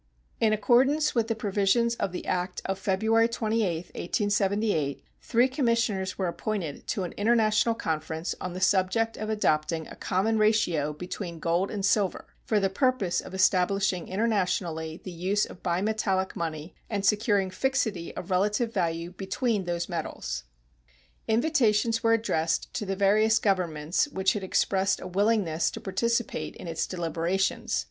In accordance with the provisions of the act of February 28, 1878, three commissioners were appointed to an international conference on the subject of adopting a common ratio between gold and silver, for the purpose of establishing internationally the use of bimetallic money and securing fixity of relative value between those metals. Invitations were addressed to the various governments which had expressed a willingness to participate in its deliberations.